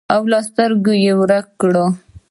او له سترګو یې ورک کړ.